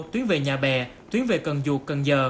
tuyến về nhà bè tuyến về quận bảy